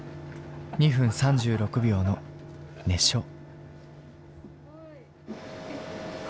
２分３６秒の熱唱。